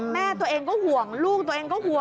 แม่ตัวเองก็ห่วงลูกตัวเองก็ห่วง